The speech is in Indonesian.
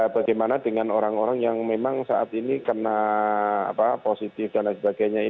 bagaimana dengan orang orang yang memang saat ini kena positif dan lain sebagainya